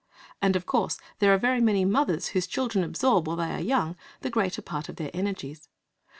And, of course, there are very many mothers whose children absorb, while they are young, the greater part of their energies.